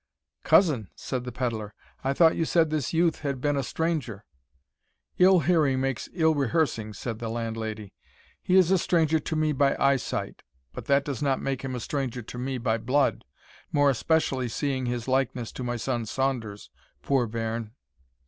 "Cousin!" said the pedlar, "I thought you said this youth had been a stranger." "Ill hearing makes ill rehearsing," said the landlady; "he is a stranger to me by eye sight, but that does not make him a stranger to me by blood, more especially seeing his likeness to my son Saunders, poor bairn."